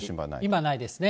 今はないですね。